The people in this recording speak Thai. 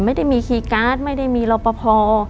ไม่ได้มีคีย์การ์ดไม่ได้มีรอปภ